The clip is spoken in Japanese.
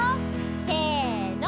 せの。